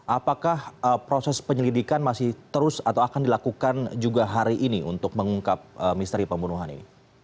apakah proses penyelidikan masih terus atau akan dilakukan juga hari ini untuk mengungkap misteri pembunuhan ini